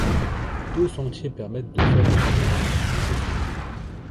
Deux sentiers permettent de faire le tour du piton des Songes.